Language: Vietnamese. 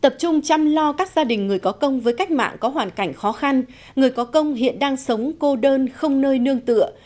tập trung chăm lo các gia đình người có công với cách mạng có hoàn cảnh khó khăn người có công hiện đang sống cô đơn không nơi nương tựa